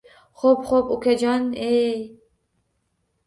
Xo’p-xo’p, ukajon-yey…